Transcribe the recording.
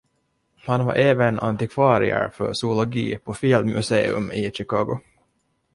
Han var även antikvarier för zoologi på Field Museum i Chicago.